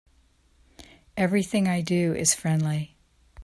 Everything I do is friendly.